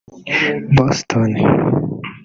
Boston